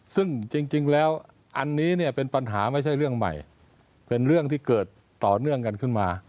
ซึ่งจริงแล้วอันนี้เนี่ยเป็นปัญหาไม่ใช่เรื่องใหม่เป็นเรื่องที่เกิดต่อเนื่องกันขึ้นมา